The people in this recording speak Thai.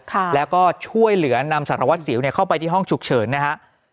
ค่ะแล้วก็ช่วยเหลือนำสารวัตรสิวเนี่ยเข้าไปที่ห้องฉุกเฉินนะฮะ